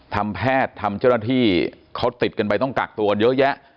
แพทย์ทำเจ้าหน้าที่เขาติดกันไปต้องกักตัวกันเยอะแยะ